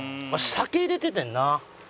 酒入れててんな。